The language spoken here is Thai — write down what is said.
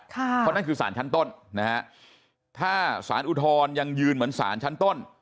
เพราะนั่นคือสารชั้นต้นนะฮะถ้าสารอุทธรณ์ยังยืนเหมือนสารชั้นต้น